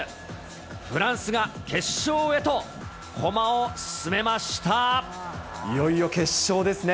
フランスが決勝へと駒を進めましいよいよ決勝ですね。